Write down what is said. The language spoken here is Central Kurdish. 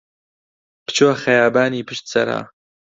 بچۆ خەیابانی پشت سەرا